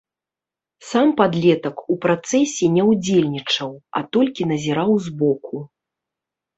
Сам падлетак у працэсе не ўдзельнічаў, а толькі назіраў збоку.